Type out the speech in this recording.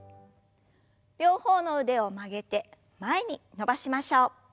両方の腕を曲げて前に伸ばしましょう。